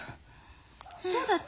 どうだった？